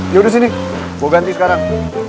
yaudah sini gue ganti sekarang